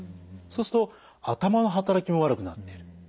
そうすると頭の働きも悪くなっている。